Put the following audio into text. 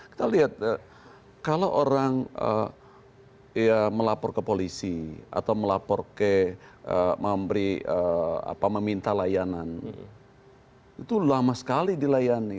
kita lihat kalau orang melapor ke polisi atau melapor ke meminta layanan itu lama sekali dilayani